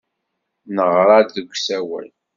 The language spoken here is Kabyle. Neɣra-d deg usawal.